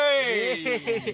エヘヘヘ。